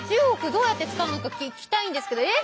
どうやって使うのか聞きたいんですけどえっ？